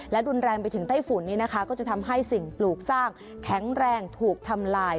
และรุนแรงไปถึงไต้ฝุ่นนี้นะคะก็จะทำให้สิ่งปลูกสร้างแข็งแรงถูกทำลาย